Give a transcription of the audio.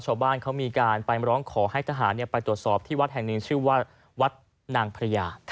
ชาวบ้านเขามีการไปร้องขอให้ทหารไปตรวจสอบที่วัดแห่งหนึ่งชื่อว่าวัดนางพระยา